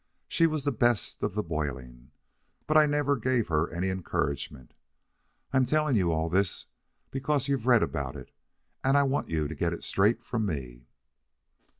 She was the best of the boiling, but I never gave her any encouragement. I'm telling you all this because you've read about it, and I want you to get it straight from me.